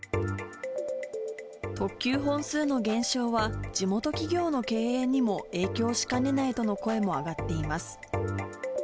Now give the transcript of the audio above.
特急本数の減少は、地元企業の経営にも影響しかねないとの声も上がっています。